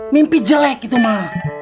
mimpi jelek itu mah